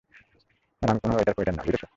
আর আমি কোনো ওয়েটার-ফোয়েটার না, বুঝেছ?